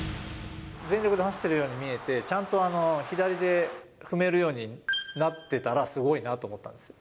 全力で走ってるように見えて、ちゃんと左で踏めるようになってたらすごいなと思ったんですよ。